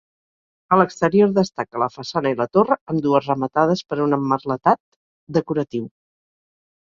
A l'exterior destaca la façana i la torre, ambdues rematades per un emmerletat decoratiu.